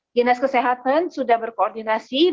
ginas kesehatan sudah berkoordinasi dengan dprk